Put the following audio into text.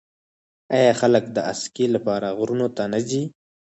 آیا خلک د اسکی لپاره غرونو ته نه ځي؟